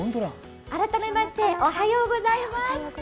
改めましておはようございます。